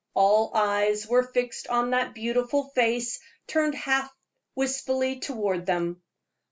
All eyes were fixed on that beautiful face turned half wistfully toward them.